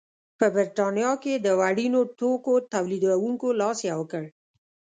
په برېټانیا کې د وړینو توکو تولیدوونکو لاس یو کړ.